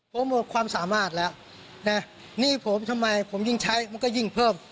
ผมหมดความสามารถแล้วนะหนี้ผมทำไมผมยิ่งใช้มันก็ยิ่งเพิ่ม